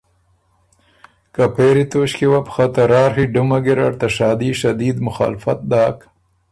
که پېری توݭکيې وه بو خه ته راڒی ډمه ګیرډ ته شادي شدید مخالفت داک